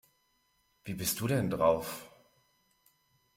Wie bist du denn drauf?